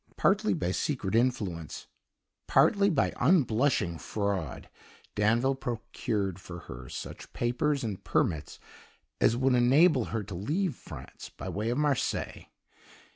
Partly by secret influence, partly by unblushing fraud, Danville procured for her such papers and permits as would enable her to leave France by way of Marseilles.